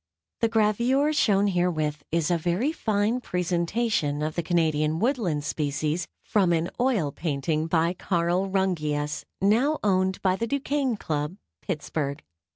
The gravure shown herewith is a very fine presentation of the Canadian Woodland species from an oil painting by Carl Rungius, now owned by the Duquesne Club, Pittsburgh.